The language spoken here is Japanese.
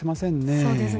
そうですね。